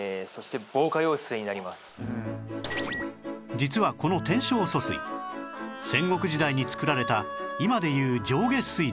実はこの天正疎水戦国時代に作られた今で言う上下水道